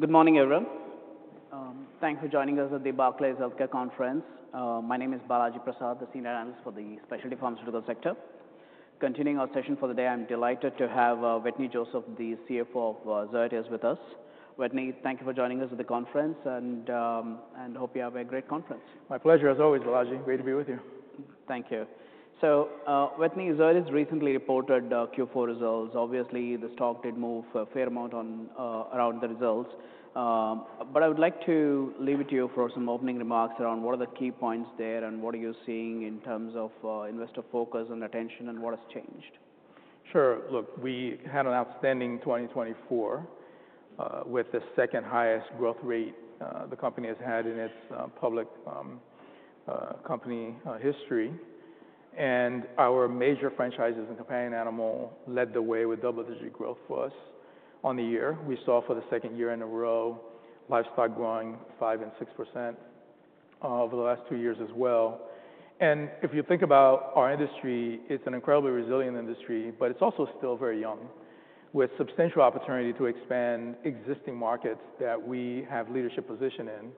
Good morning, everyone. Thanks for joining us at the Barclays Healthcare Conference. My name is Balaji Prasad, the Senior Analyst for the Specialty Pharmaceutical sector. Continuing our session for the day, I'm delighted to have Wetteny Joseph, the CFO of Zoetis, with us. Wetteny, thank you for joining us at the conference, and hope you have a great conference. My pleasure, as always, Balaji. Great to be with you. Thank you. Wetteny, Zoetis recently reported Q4 results. Obviously, the stock did move a fair amount around the results. I would like to leave it to you for some opening remarks around what are the key points there and what are you seeing in terms of investor focus and attention and what has changed. Sure. Look, we had an outstanding 2024, with the second-highest growth rate the company has had in its public company history. Our major franchises in companion animal led the way with double-digit growth for us on the year. We saw, for the second year in a row, livestock growing 5% and 6% over the last two years as well. If you think about our industry, it is an incredibly resilient industry, but it is also still very young, with substantial opportunity to expand existing markets that we have leadership position in,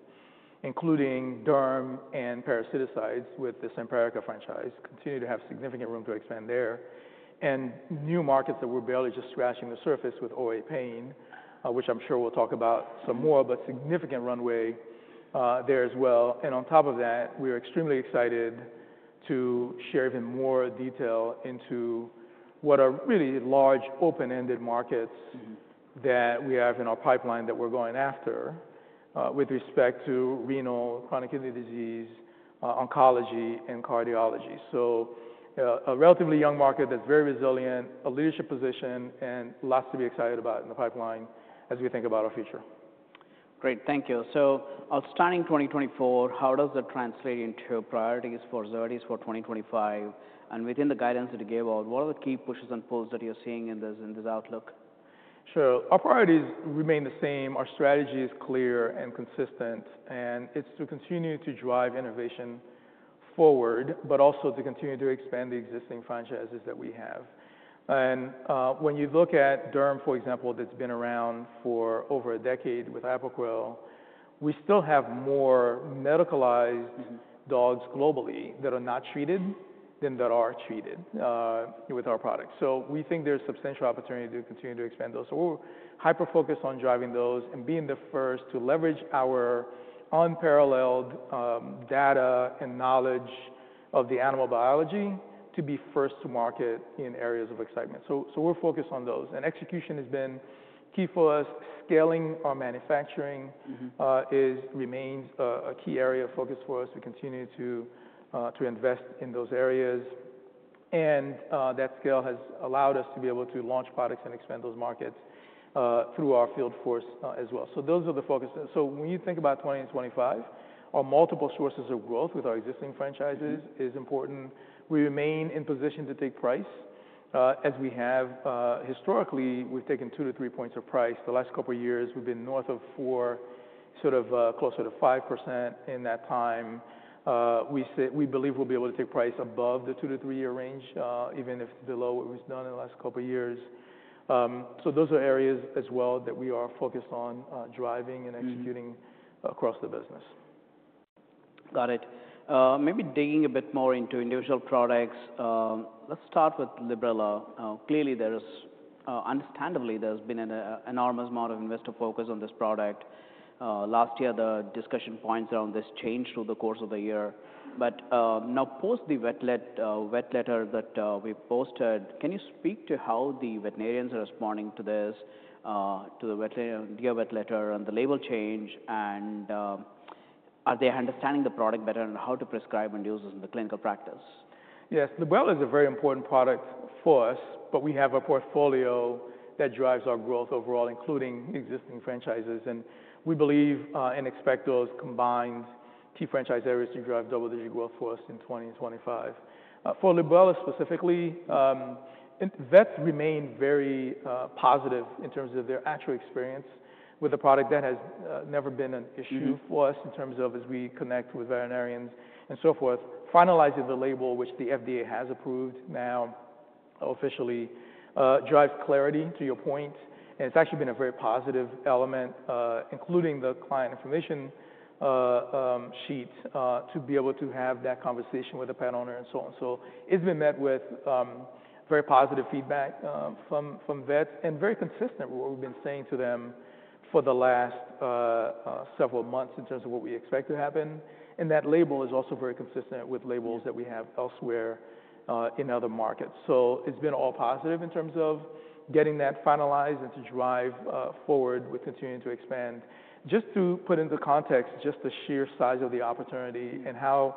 including Derm and parasiticides with the Simparica franchise. Continue to have significant room to expand there. New markets that we are barely just scratching the surface with OA pain, which I am sure we will talk about some more, but significant runway there as well. We are extremely excited to share even more detail into what are really large open-ended markets. Mm-hmm. That we have in our pipeline that we're going after, with respect to renal, chronic kidney disease, oncology, and cardiology. A relatively young market that's very resilient, a leadership position, and lots to be excited about in the pipeline as we think about our future. Great. Thank you. Outstanding 2024, how does that translate into priorities for Zoetis for 2025? Within the guidance that you gave out, what are the key pushes and pulls that you're seeing in this outlook? Sure. Our priorities remain the same. Our strategy is clear and consistent, and it's to continue to drive innovation forward, but also to continue to expand the existing franchises that we have. When you look at Derm, for example, that's been around for over a decade with Apoquel, we still have more medicalized. Mm-hmm. Dogs globally that are not treated than that are treated, with our product. We think there's substantial opportunity to continue to expand those. We're hyper-focused on driving those and being the first to leverage our unparalleled data and knowledge of the animal biology to be first to market in areas of excitement. We're focused on those. Execution has been key for us. Scaling our manufacturing. Mm-hmm. is, remains, a key area of focus for us. We continue to, to invest in those areas. That scale has allowed us to be able to launch products and expand those markets, through our field force, as well. Those are the focuses. When you think about 2025, our multiple sources of growth with our existing franchises is important. We remain in position to take price, as we have, historically. We've taken two to three points of price. The last couple of years, we've been north of four, sort of, closer to 5% in that time. We said we believe we'll be able to take price above the two to three-year range, even if below what we've done in the last couple of years. Those are areas as well that we are focused on, driving and executing. Mm-hmm. Across the business. Got it. Maybe digging a bit more into individual products, let's start with Librela. Clearly, there is, understandably, there's been an enormous amount of investor focus on this product. Last year, the discussion points around this changed through the course of the year. Now, post the vet letter that we posted, can you speak to how the veterinarians are responding to this, to the veterinarian, the vet letter and the label change? Are they understanding the product better and how to prescribe and use this in the clinical practice? Yes. Librela is a very important product for us, but we have a portfolio that drives our growth overall, including existing franchises. We believe, and expect those combined key franchise areas to drive double-digit growth for us in 2025. For Librela specifically, vets remain very positive in terms of their actual experience with the product. That has never been an issue. Mm-hmm. For us in terms of as we connect with veterinarians and so forth. Finalizing the label, which the FDA has approved now, officially, drives clarity to your point. It's actually been a very positive element, including the client information sheet, to be able to have that conversation with the pet owner and so on. It's been met with very positive feedback from vets, and very consistent with what we've been saying to them for the last several months in terms of what we expect to happen. That label is also very consistent with labels that we have elsewhere, in other markets. It's been all positive in terms of getting that finalized and to drive forward with continuing to expand. Just to put into context just the sheer size of the opportunity and how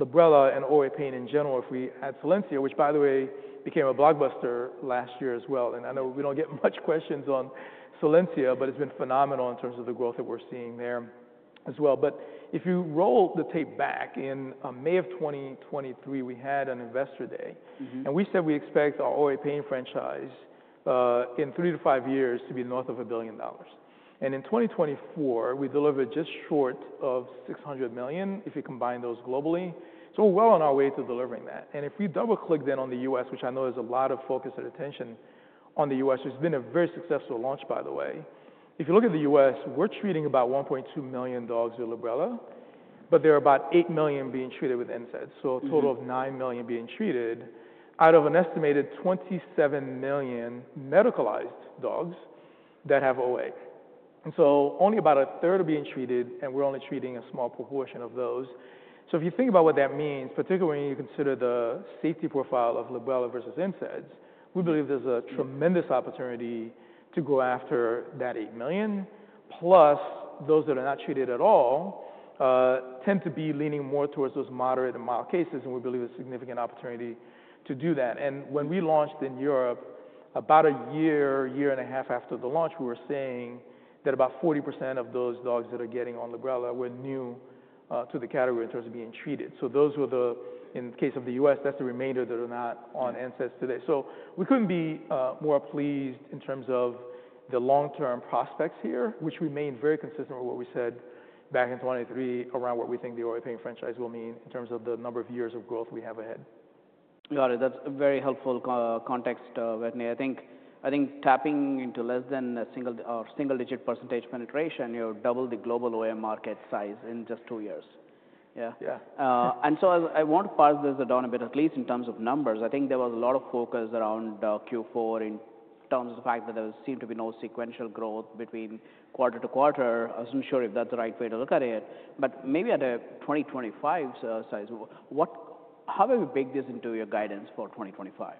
Librela and OA pain in general, if we add Solensia, which, by the way, became a blockbuster last year as well. I know we do not get much questions on Solensia, but it has been phenomenal in terms of the growth that we are seeing there as well. If you roll the tape back, in May of 2023, we had an Investor Day. Mm-hmm. We said we expect our OA pain franchise, in three to five years, to be north of $1 billion. In 2024, we delivered just short of $600 million if you combine those globally. We are well on our way to delivering that. If we double-click then on the U.S., which I know there is a lot of focus and attention on the U.S., it has been a very successful launch, by the way. If you look at the U.S., we are treating about 1.2 million dogs with Librela, but there are about 8 million being treated with NSAIDs. Mm-hmm. A total of 9 million being treated out of an estimated 27 million medicalized dogs that have OA. Only about a third are being treated, and we're only treating a small proportion of those. If you think about what that means, particularly when you consider the safety profile of Librela versus NSAIDs, we believe there's a tremendous opportunity to go after that 18 million. Plus, those that are not treated at all tend to be leaning more towards those moderate and mild cases, and we believe there's significant opportunity to do that. When we launched in Europe, about a year, year and a half after the launch, we were seeing that about 40% of those dogs that are getting on Librela were new to the category in terms of being treated. Those were the, in the case of the U.S., that's the remainder that are not on NSAIDs today. We couldn't be more pleased in terms of the long-term prospects here, which remain very consistent with what we said back in 2023 around what we think the OA pain franchise will mean in terms of the number of years of growth we have ahead. Got it. That's a very helpful context, Wetteny. I think tapping into less than a single or single-digit percentage penetration, you've doubled the global OA market size in just two years. Yeah? Yeah. As I want to parse this down a bit, at least in terms of numbers, I think there was a lot of focus around Q4 in terms of the fact that there seemed to be no sequential growth between quarter-to-quarter. I wasn't sure if that's the right way to look at it. Maybe at a 2025 size, how have you baked this into your guidance for 2025?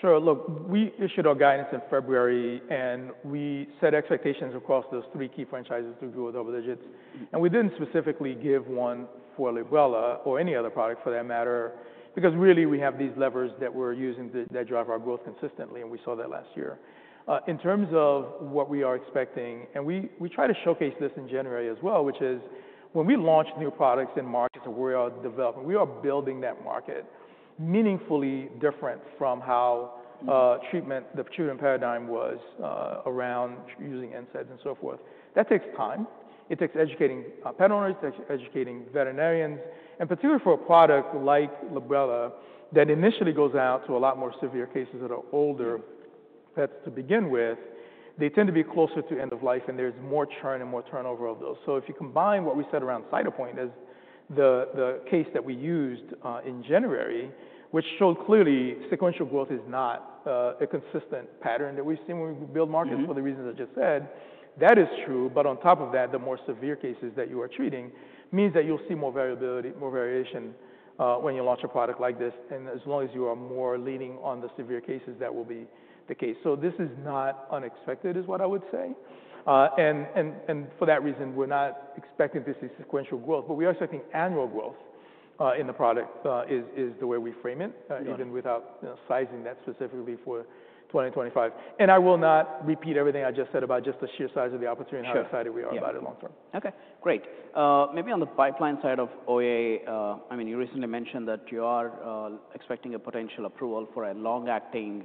Sure. Look, we issued our guidance in February, and we set expectations across those three key franchises to grow double digits. Mm-hmm. We did not specifically give one for Librela or any other product for that matter, because really we have these levers that we are using that drive our growth consistently, and we saw that last year. In terms of what we are expecting, and we try to showcase this in January as well, which is when we launch new products and markets that we are developing, we are building that market meaningfully different from how treatment, the preceding paradigm was, around using NSAIDs and so forth. That takes time. It takes educating pet owners. It takes educating veterinarians. Particularly for a product like Librela that initially goes out to a lot more severe cases that are older pets to begin with, they tend to be closer to end of life, and there is more churn and more turnover of those. If you combine what we said around Cytopoint as the case that we used in January, which showed clearly sequential growth is not a consistent pattern that we've seen when we build markets. Mm-hmm. For the reasons I just said, that is true. On top of that, the more severe cases that you are treating means that you'll see more variability, more variation, when you launch a product like this. As long as you are more leaning on the severe cases, that will be the case. This is not unexpected is what I would say. For that reason, we're not expecting to see sequential growth, but we are expecting annual growth in the product, is the way we frame it. Yeah. Even without, you know, sizing that specifically for 2025. I will not repeat everything I just said about just the sheer size of the opportunity. Sure. We are excited about it long term. Okay. Great. Maybe on the pipeline side of OA, I mean, you recently mentioned that you are expecting a potential approval for a long-acting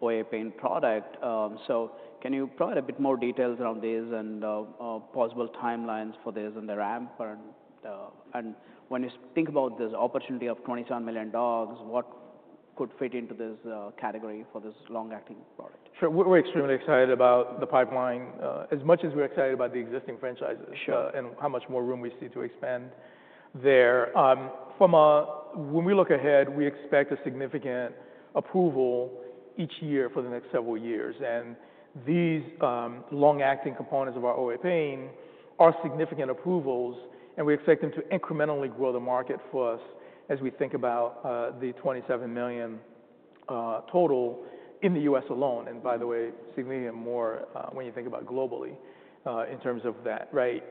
OA pain product. So can you provide a bit more details around this and possible timelines for this and the ramp? And when you think about this opportunity of 27 million dogs, what could fit into this category for this long-acting product? Sure. We're extremely excited about the pipeline, as much as we're excited about the existing franchises. Sure. and how much more room we see to expand there. From a, when we look ahead, we expect a significant approval each year for the next several years. And these long-acting components of our OA pain are significant approvals, and we expect them to incrementally grow the market for us as we think about the 27 million, total in the U.S. alone. By the way, significantly more when you think about globally, in terms of that, right?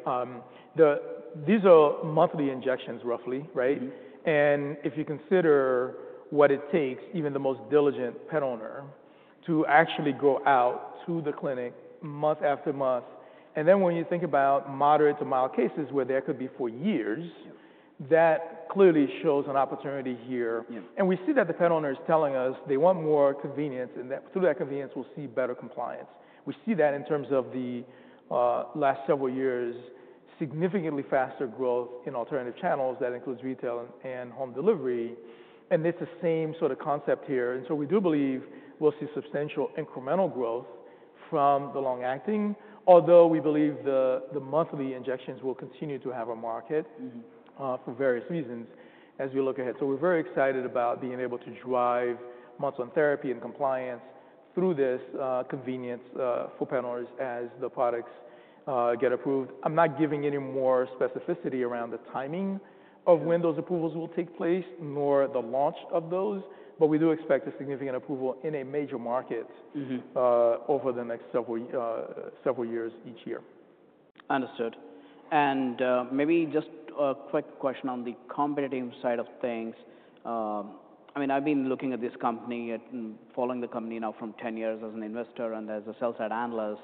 These are monthly injections, roughly, right? Mm-hmm. If you consider what it takes, even the most diligent pet owner to actually go out to the clinic month after month. Then when you think about moderate to mild cases where there could be for years. Yeah. That clearly shows an opportunity here. Yeah. We see that the pet owner is telling us they want more convenience, and that through that convenience, we'll see better compliance. We see that in terms of the last several years, significantly faster growth in alternative channels that includes retail and home delivery. It is the same sort of concept here. We do believe we'll see substantial incremental growth from the long-acting, although we believe the monthly injections will continue to have a market. Mm-hmm. For various reasons as we look ahead. We are very excited about being able to drive months on therapy and compliance through this, convenience, for pet owners as the products get approved. I'm not giving any more specificity around the timing of when those approvals will take place nor the launch of those, but we do expect a significant approval in a major market. Mm-hmm. over the next several years each year. Understood. Maybe just a quick question on the competitive side of things. I mean, I've been looking at this company and following the company now for 10 years as an investor and as a sell-side analyst.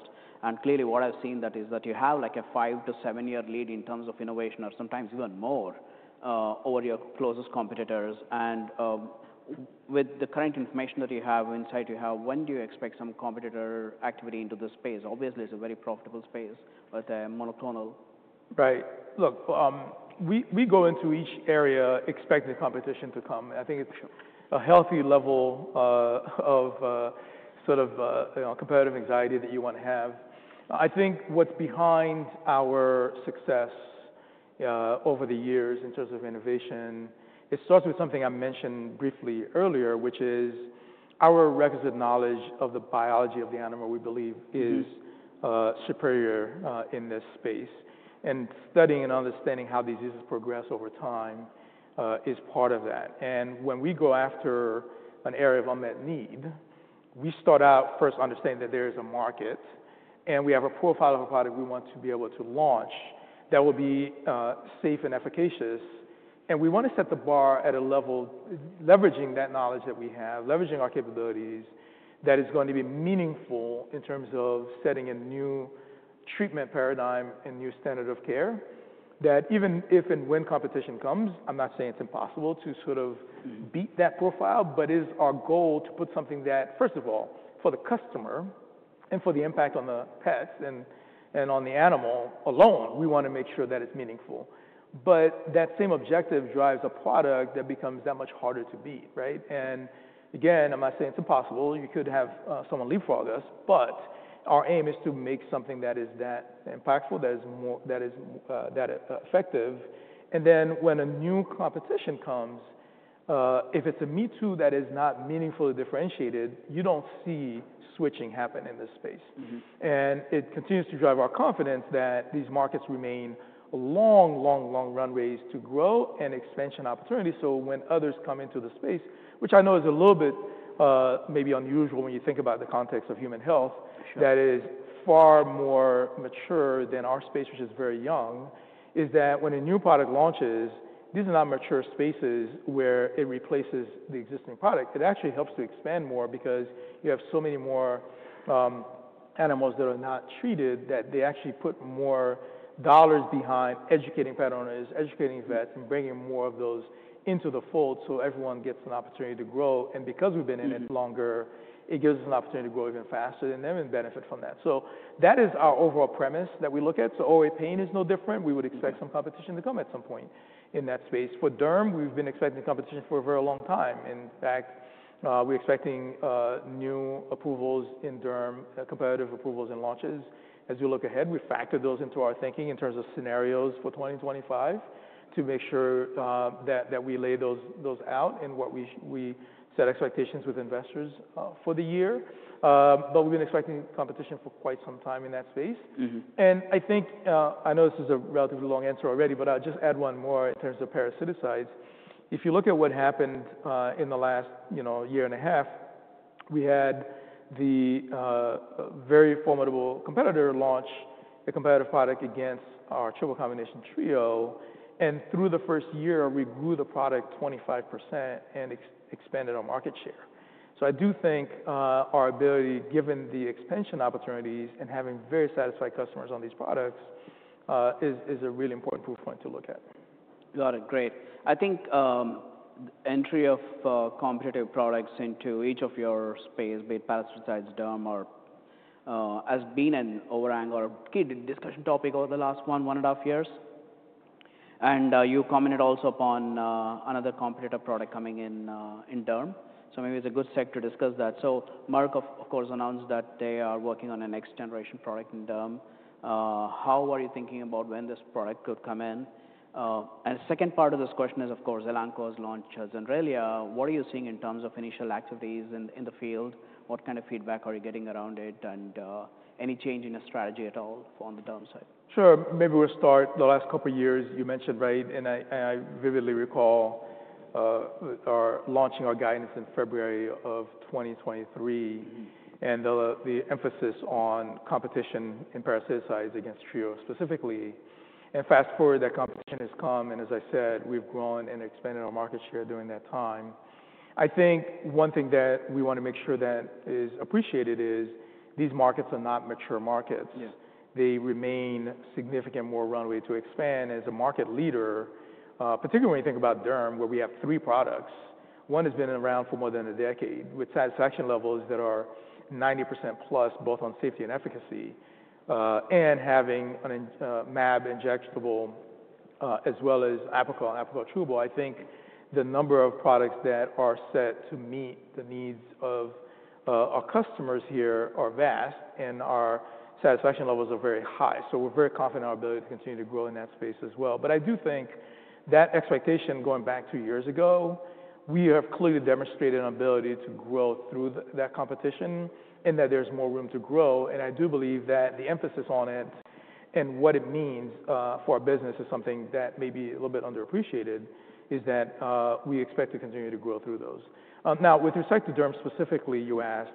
Clearly what I've seen is that you have like a five- to seven-year lead in terms of innovation or sometimes even more, over your closest competitors. With the current information that you have in sight, you have, when do you expect some competitor activity into this space? Obviously, it's a very profitable space, but they're monoclonal. Right. Look, we go into each area expecting the competition to come. I think it's. Sure. A healthy level of, sort of, you know, competitive anxiety that you want to have. I think what's behind our success over the years in terms of innovation, it starts with something I mentioned briefly earlier, which is our requisite knowledge of the biology of the animal we believe is. Mm-hmm. Superior, in this space. Studying and understanding how diseases progress over time is part of that. When we go after an area of unmet need, we start out first understanding that there is a market, and we have a profile of a product we want to be able to launch that will be safe and efficacious. We want to set the bar at a level leveraging that knowledge that we have, leveraging our capabilities that is going to be meaningful in terms of setting a new treatment paradigm and new standard of care that even if and when competition comes, I'm not saying it's impossible to sort of. Mm-hmm. Beat that profile, but it is our goal to put something that, first of all, for the customer and for the impact on the pets and on the animal alone, we want to make sure that it's meaningful. That same objective drives a product that becomes that much harder to beat, right? Again, I'm not saying it's impossible. You could have someone leapfrog us, but our aim is to make something that is that impactful, that is more, that is, that effective. Then when a new competition comes, if it's a me-too that is not meaningfully differentiated, you don't see switching happen in this space. Mm-hmm. It continues to drive our confidence that these markets remain long, long, long runways to grow and expansion opportunities. When others come into the space, which I know is a little bit, maybe unusual when you think about the context of human health. Sure. That is far more mature than our space, which is very young, is that when a new product launches, these are not mature spaces where it replaces the existing product. It actually helps to expand more because you have so many more animals that are not treated that they actually put more dollars behind educating pet owners, educating vets, and bringing more of those into the fold so everyone gets an opportunity to grow. Because we've been in it longer, it gives us an opportunity to grow even faster than them and benefit from that. That is our overall premise that we look at. OA pain is no different. We would expect some competition to come at some point in that space. For Derm, we've been expecting competition for a very long time. In fact, we're expecting new approvals in Derm, competitive approvals and launches. As we look ahead, we factor those into our thinking in terms of scenarios for 2025 to make sure that we lay those out and what we set expectations with investors for the year. We've been expecting competition for quite some time in that space. Mm-hmm. I think, I know this is a relatively long answer already, but I'll just add one more in terms of parasiticides. If you look at what happened in the last, you know, year and a half, we had the very formidable competitor launch a competitive product against our triple combination Trio. Through the first year, we grew the product 25% and expanded our market share. I do think our ability, given the expansion opportunities and having very satisfied customers on these products, is a really important proof point to look at. Got it. Great. I think the entry of competitive products into each of your space, be it parasiticides, Derm, or, has been an overhang or key discussion topic over the last one, one and a half years. You commented also upon another competitor product coming in, in Derm. Maybe it's a good segue to discuss that. Merck, of course, announced that they are working on a next-generation product in Derm. How are you thinking about when this product could come in? The second part of this question is, of course, Elanco has launched Zenrelia. What are you seeing in terms of initial activities in the field? What kind of feedback are you getting around it? Any change in your strategy at all on the Derm side? Sure. Maybe we'll start the last couple of years. You mentioned, right? And I, and I vividly recall, our launching our guidance in February of 2023. Mm-hmm. The emphasis on competition in parasiticides against Trio specifically. Fast forward, that competition has come. As I said, we've grown and expanded our market share during that time. I think one thing that we want to make sure that is appreciated is these markets are not mature markets. Yeah. They remain significant more runway to expand as a market leader, particularly when you think about Derm, where we have three products. One has been around for more than a decade with satisfaction levels that are 90%+ both on safety and efficacy, and having an mAb injectable, as well as Apoquel and Apoquel Chewable. I think the number of products that are set to meet the needs of our customers here are vast, and our satisfaction levels are very high. We are very confident in our ability to continue to grow in that space as well. I do think that expectation going back two years ago, we have clearly demonstrated an ability to grow through that competition and that there's more room to grow. I do believe that the emphasis on it and what it means for our business is something that may be a little bit underappreciated is that we expect to continue to grow through those. Now, with respect to Derm specifically, you asked,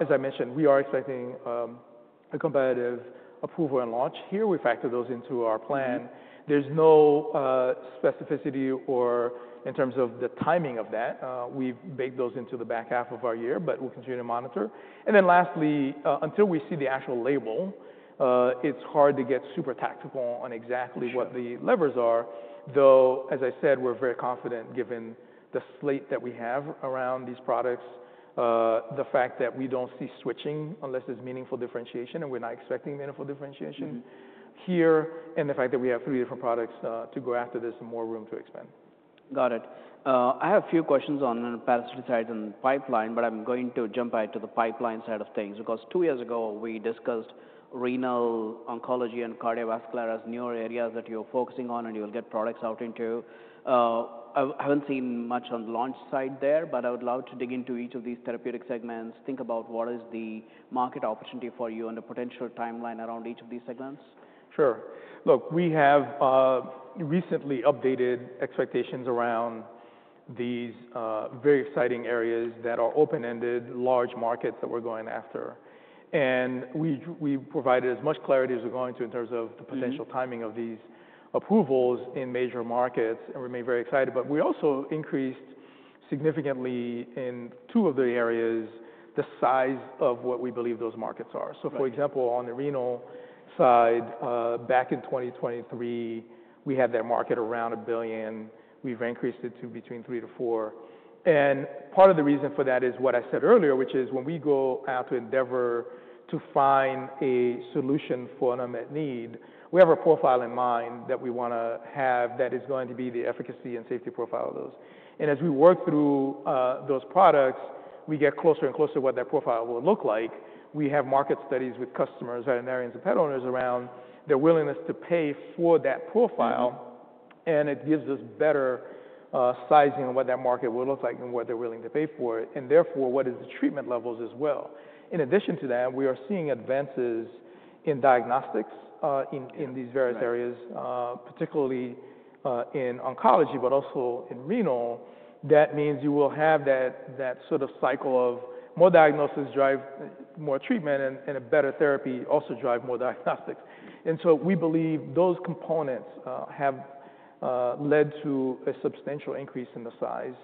as I mentioned, we are expecting a competitive approval and launch here. We factor those into our plan. There is no specificity in terms of the timing of that. We have baked those into the back half of our year, but we will continue to monitor. Lastly, until we see the actual label, it is hard to get super tactical on exactly what the levers are. Though, as I said, we are very confident given the slate that we have around these products, the fact that we do not see switching unless there is meaningful differentiation and we are not expecting meaningful differentiation. Mm-hmm. Here, and the fact that we have three different products to go after this and more room to expand. Got it. I have a few questions on parasiticides and pipeline, but I'm going to jump ahead to the pipeline side of things because two years ago we discussed renal, oncology, and cardiovascular as newer areas that you're focusing on and you'll get products out into. I haven't seen much on the launch side there, but I would love to dig into each of these therapeutic segments, think about what is the market opportunity for you and the potential timeline around each of these segments. Sure. Look, we have recently updated expectations around these very exciting areas that are open-ended, large markets that we're going after. We provided as much clarity as we're going to in terms of the potential timing of these approvals in major markets and remain very excited. We also increased significantly in two of the areas the size of what we believe those markets are. Sure. For example, on the renal side, back in 2023, we had that market around $1 billion. We've increased it to between $3 billion-$4 billion. Part of the reason for that is what I said earlier, which is when we go out to endeavor to find a solution for an unmet need, we have a profile in mind that we want to have that is going to be the efficacy and safety profile of those. As we work through those products, we get closer and closer to what that profile will look like. We have market studies with customers, veterinarians, and pet owners around their willingness to pay for that profile, and it gives us better sizing on what that market will look like and what they're willing to pay for it. Therefore, what is the treatment levels as well. In addition to that, we are seeing advances in diagnostics, in these various areas, particularly in oncology, but also in renal. That means you will have that sort of cycle of more diagnosis drive more treatment and a better therapy also drive more diagnostics. We believe those components have led to a substantial increase in the size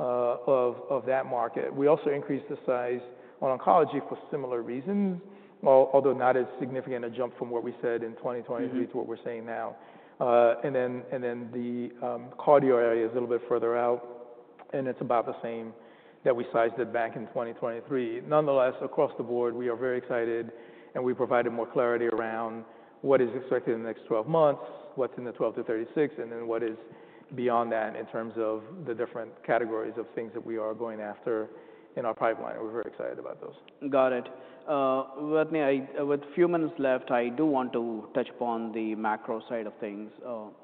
of that market. We also increased the size on oncology for similar reasons, although not as significant a jump from what we said in 2023 to what we're saying now. The cardio area is a little bit further out, and it's about the same that we sized it back in 2023. Nonetheless, across the board, we are very excited, and we provided more clarity around what is expected in the next 12 months, what's in the 12 months-36 months, and then what is beyond that in terms of the different categories of things that we are going after in our pipeline. We're very excited about those. Got it. With me, with a few minutes left, I do want to touch upon the macro side of things.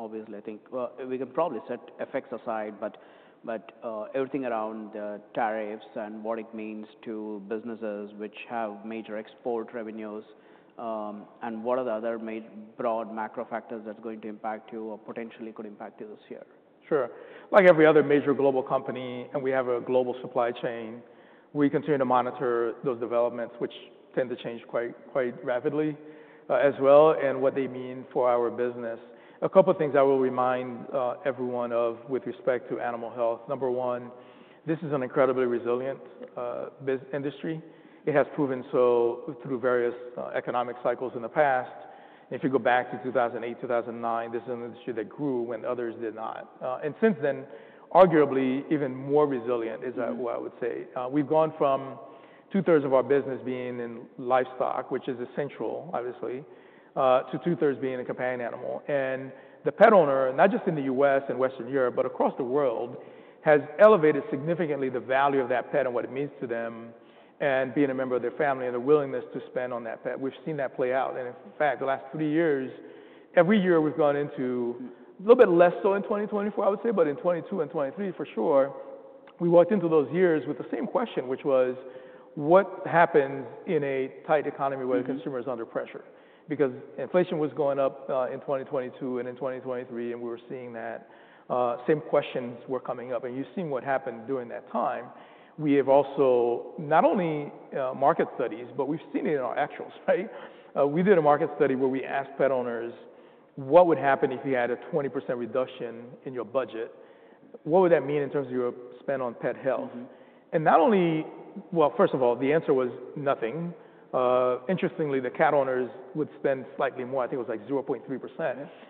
Obviously, I think we can probably set effects aside, but everything around the tariffs and what it means to businesses which have major export revenues, and what are the other major broad macro factors that's going to impact you or potentially could impact you this year. Sure. Like every other major global company, and we have a global supply chain, we continue to monitor those developments, which tend to change quite, quite rapidly, as well and what they mean for our business. A couple of things I will remind everyone of with respect to animal health. Number one, this is an incredibly resilient business industry. It has proven so through various economic cycles in the past. If you go back to 2008, 2009, this is an industry that grew when others did not. Since then, arguably even more resilient is what I would say. We've gone from two-thirds of our business being in livestock, which is essential, obviously, to two-thirds being a companion animal. And the pet owner, not just in the U.S. Western Europe, but across the world, has elevated significantly the value of that pet and what it means to them and being a member of their family and their willingness to spend on that pet. We've seen that play out. In fact, the last three years, every year we've gone into a little bit less so in 2024, I would say, but in 2022 and in 2023, for sure, we walked into those years with the same question, which was, what happens in a tight economy where the consumer is under pressure? Because inflation was going up, in 2022 and in 2023, and we were seeing that, same questions were coming up. You've seen what happened during that time. We have also not only market studies, but we've seen it in our actuals, right? We did a market study where we asked pet owners, what would happen if you had a 20% reduction in your budget? What would that mean in terms of your spend on pet health? Mm-hmm. Not only, first of all, the answer was nothing. Interestingly, the cat owners would spend slightly more. I think it was like 0.3%.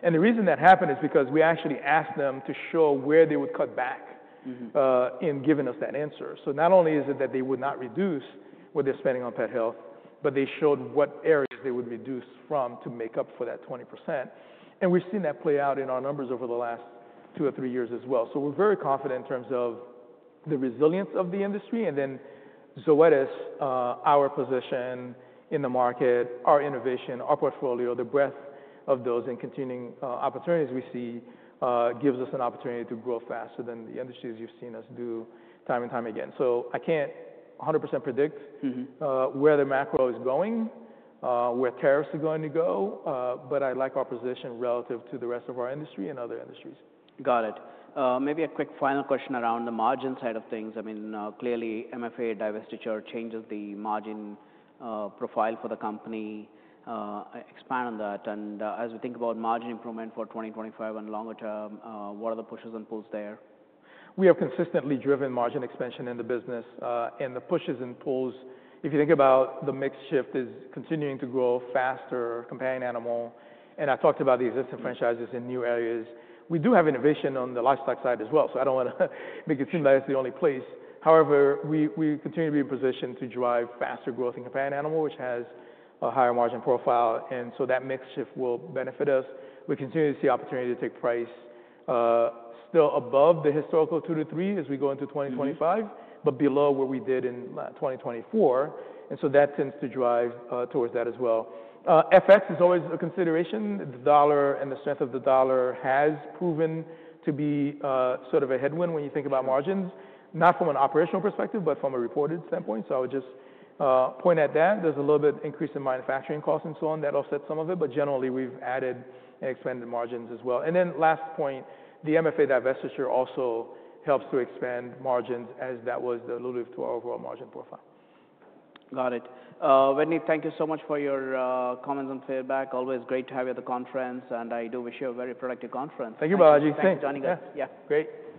Yeah. The reason that happened is because we actually asked them to show where they would cut back. Mm-hmm. In giving us that answer. Not only is it that they would not reduce what they're spending on pet health, but they showed what areas they would reduce from to make up for that 20%. We've seen that play out in our numbers over the last two or three years as well. We are very confident in terms of the resilience of the industry. Zoetis, our position in the market, our innovation, our portfolio, the breadth of those and continuing opportunities we see, gives us an opportunity to grow faster than the industries you've seen us do time and time again. I can't 100% predict. Mm-hmm. where the macro is going, where tariffs are going to go. I like our position relative to the rest of our industry and other industries. Got it. Maybe a quick final question around the margin side of things. I mean, clearly, MFA divestiture changes the margin profile for the company. Expand on that. As we think about margin improvement for 2025 and longer term, what are the pushes and pulls there? We have consistently driven margin expansion in the business. The pushes and pulls, if you think about the mixed shift, is continuing to grow faster, companion animal. I talked about the existing franchises in new areas. We do have innovation on the livestock side as well. I do not want to make it seem that it is the only place. However, we continue to be in position to drive faster growth in companion animal, which has a higher margin profile. That mixed shift will benefit us. We continue to see opportunity to take price, still above the historical 2%-3% as we go into 2025, but below where we did in 2024. That tends to drive towards that as well. FX is always a consideration. The dollar and the strength of the dollar has proven to be, sort of a headwind when you think about margins, not from an operational perspective, but from a reported standpoint. I would just point at that. There's a little bit increase in manufacturing costs and so on. That offsets some of it. Generally, we've added and expanded margins as well. The MFA divestiture also helps to expand margins as that was the alluded to our overall margin profile. Got it. Wetteny, thank you so much for your comments and feedback. Always great to have you at the conference, and I do wish you a very productive conference. Thank you, Balaji. Thanks. Thanks for joining us. Yeah. Yeah. Great.